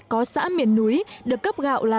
có xã miền núi được cấp gạo là